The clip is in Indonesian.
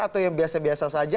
atau yang biasa biasa saja